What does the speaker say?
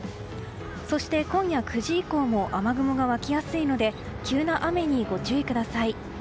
そして今夜９時以降も雨雲が湧きやすいので急な雨にご注意ください。